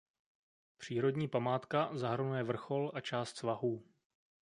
Přírodní památka zahrnuje vrchol a část svahů.